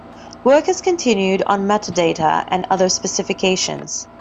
Work has continued on metadata and other specifications.